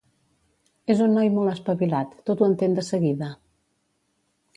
És un noi molt espavilat: tot ho entén de seguida.